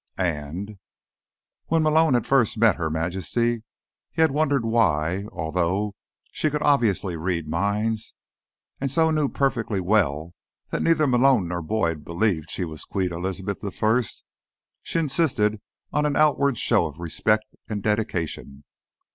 And.... When Malone had first met Her Majesty, he had wondered why, although she could obviously read minds, and so knew perfectly well that neither Malone nor Boyd believed she was Queen Elizabeth I, she insisted on an outward show of respect and dedication.